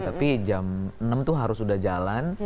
tapi jam enam tuh harus udah jalan